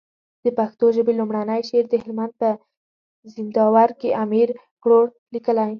د پښتو ژبي لومړنی شعر د هلمند په زينداور کي امير کروړ ليکلی